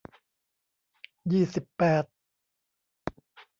ยี่สิบแปด